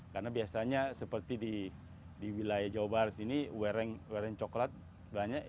karena biasanya seperti di wilayah jawa barat ini wering wering coklat banyak